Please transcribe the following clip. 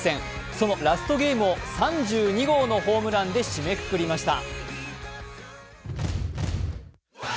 そのラストゲームを３２号のホームランで締めくくりました。